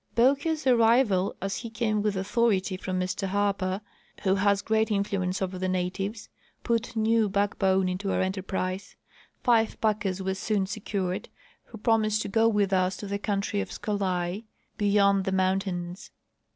Bowker's arrival, as he came with authority from Mr Harper, who has great influence over the natives, jjut new back bone into our enterprise. Five packers were soon secured, who promised to go with us to the country of Scolai, beyond the mountains.